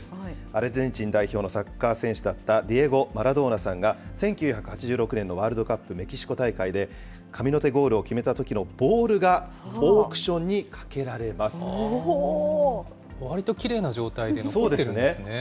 アルゼンチン代表のサッカー選手だった、ディエゴ・マラドーナさんが、１９８６年のワールドカップメキシコ大会で、神の手ゴールを決めたときのボールがオークシわりときれいな状態で残ってそうですね。